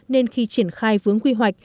nên khi triển khai vướng quy hoạch